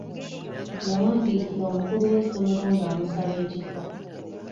Yawandiikira omukulu w’essomero ng’amusaba ekifo.